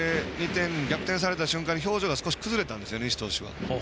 逆転された瞬間に表情が崩れたんですよ、西投手。